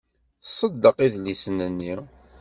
Tṣeddeq idlisen-nni.